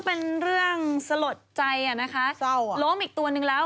เป็นเรื่องสลดใจโล่มอีกตัวนึงแล้ว